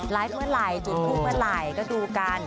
เมื่อไหร่จุดทูปเมื่อไหร่ก็ดูกัน